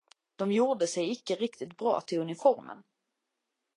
De gjorde sig icke riktigt bra till uniformen.